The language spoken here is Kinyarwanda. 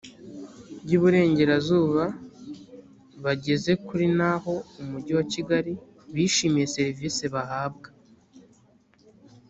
y iburengerazuba bageze kuri naho umujyi wa kigali bishimiye serivisi bahabwa